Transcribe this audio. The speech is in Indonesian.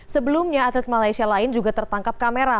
sebelumnya atlet malaysia lain juga tertangkap kamera